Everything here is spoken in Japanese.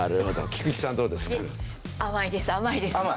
菊池さんどうですか？